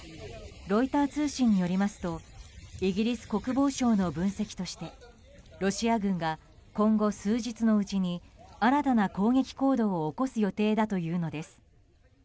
ロイター通信によりますとイギリス国防省の分析としてロシア軍が今後数日のうちに新たな攻撃行動を起こす予定だというのです。